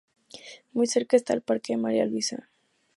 Muy cerca está el Parque de María Luisa.